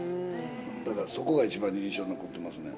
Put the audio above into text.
だから、そこがいちばん印象に残ってますね。